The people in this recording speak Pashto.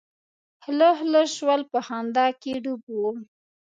خوله خوله شول په خندا کې ډوب وو.